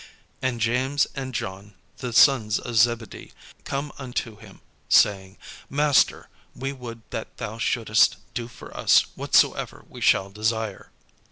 And James and John, the sons of Zebedee, come unto him, saying, "Master, we would that thou shouldest do for us whatsoever we shall desire."